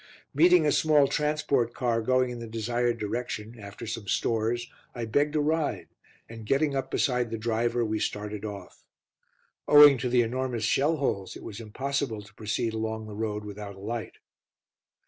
Meeting a small transport car going in the desired direction after some stores, I begged a ride, and getting up beside the driver, we started off. Owing to the enormous shell holes it was impossible to proceed along the road without a light.